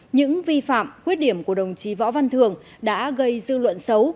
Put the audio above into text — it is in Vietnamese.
những vi phạm khuyết điểm của đồng chí võ văn thường đã gây dư luận xấu